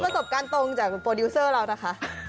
ประสบการณ์ตรงจากโปรดิวเซอร์เรานะคะ